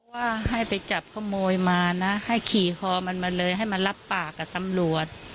ว่าให้ไปจับขโมยมานะให้ขี่คอมันมาเลยให้มารับปากกับตำรวจ